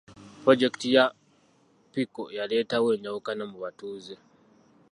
Pulojekiti ya pico yaleetawo enjawukana mu batuuze.